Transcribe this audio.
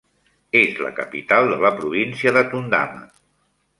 És la capital de la província de Tundama.